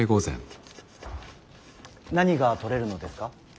何が捕れるのですか。